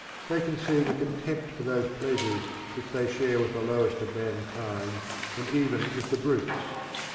They conceive a contempt for those pleasures which they share with the lowest of mankind, and even with the brutes.